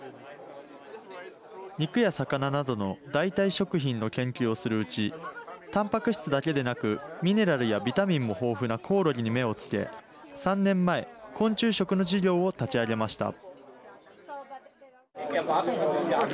肉や魚などの代替食品の研究をするうちたんぱく質だけでなくミネラルやビタミンも豊富なこおろぎに目をつけ３年前、昆虫食の事業を立ち上げました。